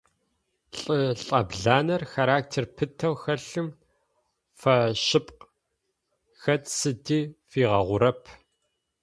Лӏы лӏэбланэр характер пытэу хэлъым фэшъыпкъ – хэт сыди фигъэгъурэп.